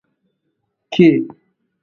کې